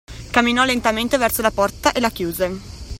Camminò lentamente verso la porta e la chiuse